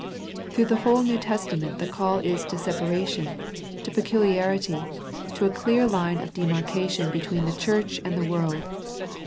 Through the whole New Testament the call is to separation, to peculiarity, to a clear line of demarcation between the Church and the world.